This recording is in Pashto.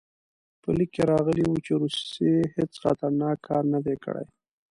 په لیک کې راغلي وو چې روسیې هېڅ خطرناک کار نه دی کړی.